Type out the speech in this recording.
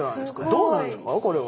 どうなんですかこれは。